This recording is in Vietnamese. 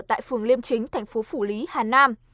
tại phường liêm chính thành phố phủ lý hà nam